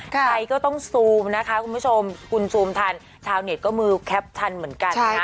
ใครก็ต้องซูมนะคะคุณผู้ชมคุณซูมทันชาวเน็ตก็มือแคปทันเหมือนกันนะ